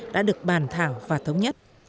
đã được bàn thảo và thống nhất